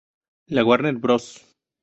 La Warner Bros.